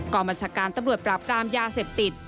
กรมจักรการตำรวจปราบกรามยาเสพติด